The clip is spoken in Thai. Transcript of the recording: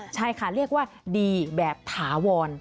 ใช่ค่ะเรียกว่าดีแบบถาวร